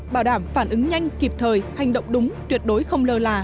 bảo đảm phản ứng nhanh kịp thời hành động đúng tuyệt đối không lơ là